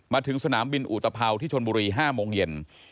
มาถึงสนามบินอุตภัวที่ชนบุรี๕โมงเย็น